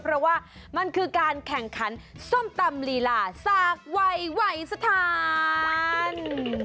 เพราะว่ามันคือการแข่งขันส้มตำลีลาสากวัยวัยสถาน